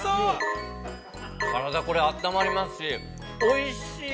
◆おいしい！